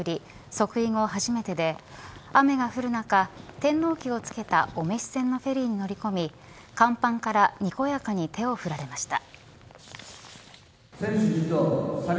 即位後、初めてで雨が降る中天皇旗をつけたお召し船のフェリーに乗り込み甲板からにこやかに手を振られました。